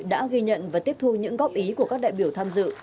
đã ghi nhận và tiếp thu những góp ý của các đại biểu tham dự